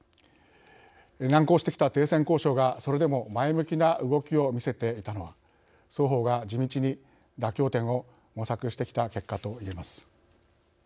難航してきた停戦交渉がそれでも前向きな動きを見せていたのは双方が地道に妥協点を模索してきた結果と言えます。